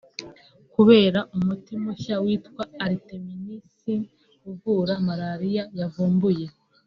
kubera umuti mushya witwa Artemisinin uvura Malariya yavumbuye